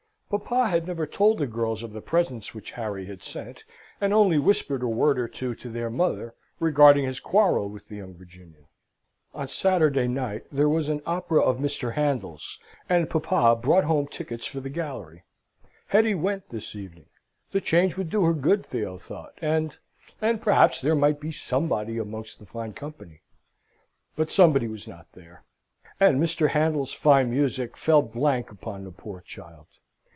Papa had never told the girls of the presents which Harry had sent, and only whispered a word or two to their mother regarding his quarrel with the young Virginian. On Saturday night there was an opera of Mr. Handel's, and papa brought home tickets for the gallery. Hetty went this evening. The change would do her good, Theo thought, and and, perhaps there might be Somebody amongst the fine company; but Somebody was not there; and Mr. Handel's fine music fell blank upon the poor child.